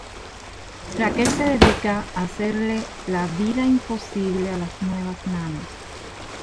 Raquel se dedica a hacerle la vida imposible a las nuevas nanas.